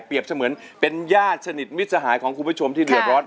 เสมือนเป็นญาติสนิทมิตรสหายของคุณผู้ชมที่เดือดร้อน